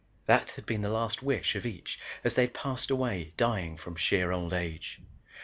That had been the last wish of each as he had passed away, dying from sheer old age.